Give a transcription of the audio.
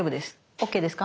ＯＫですか？